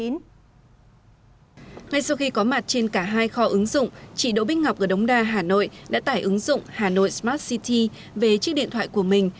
ngay sau khi có mặt trên cả hai kho ứng dụng chị đỗ bích ngọc ở đống đa hà nội đã tải ứng dụng hà nội smart city về chiếc điện thoại của mình